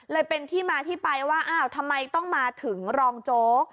เลยเป็นที่มาที่ไปว่าอ้าวทำไมต้องมาถึงรองโจ๊ก